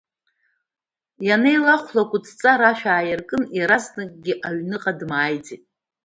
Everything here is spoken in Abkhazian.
Анеилахәла акәтыҵра ашә аиркын, иаразнакгьы аҩныҟа дмааиӡеит.